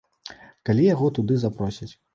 Калі яго туды запросяць.